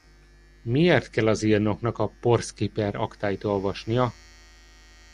Miért kell az írnoknak a Porszki-per aktáit olvasnia?